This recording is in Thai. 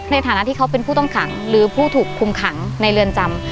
ในฐานะที่เขาเป็นผู้ต้องขังหรือผู้ถูกคุมขังในเรือนจำ